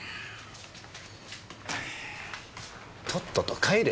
とっとと帰れ！